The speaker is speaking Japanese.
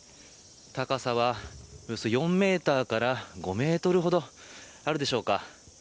高さは、およそ４メートルから５メートルほどあるでしょうか。